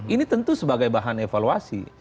ini tentu sebagai bahan evaluasi